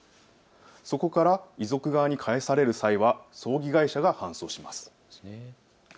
そこから遺族側に返される際は葬儀会社が搬送します。